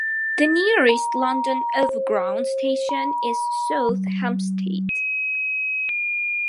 The nearest London Overground station is South Hampstead.